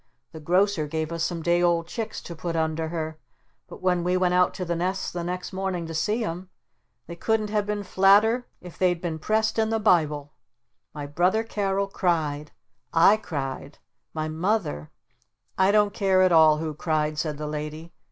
The Grocer gave us some day old chicks to put under her! But when we went out to the nest the next morning to see 'em they couldn't have been flatter if they'd been pressed in the Bible! My Brother Carol cried, I cried, my Mother " "I don't care at all who cried," said the Lady.